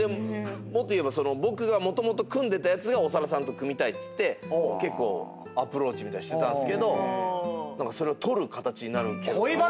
もっと言えば僕がもともと組んでたやつが長田さんと組みたいっつって結構アプローチみたいなしてたんすけど何かそれを取る形になる。